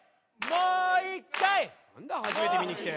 もう１回！